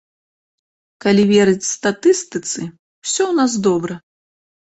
Калі верыць статыстыцы, усё ў нас добра.